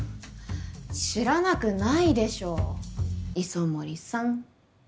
知らなくないでしょ磯森さん。